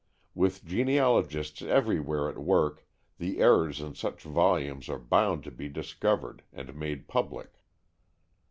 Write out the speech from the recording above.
With genealogists everywhere at work, the errors in such volumes are bound to be discovered, and made public.